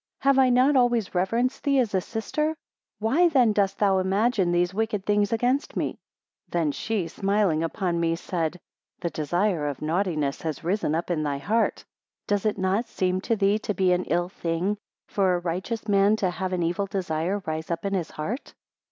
Have I not always reverenced thee as a sister? Why then dost thou imagine these wicked things against me? 9 Then she, smiling upon me, said: the desire of naughtiness has risen up in thy heart. Does it not seem to thee to be an ill thing for a righteous man to have an evil desire rise up in his heart.